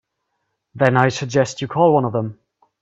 Then I suggest you call one of them.